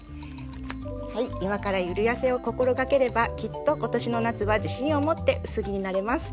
今からゆるやせを心掛ければきっと今年の夏は自信を持って薄着になれます。